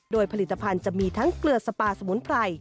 โดยผลิตภัณฑ์จะมีทั้งเกลือสปาสมุนไพร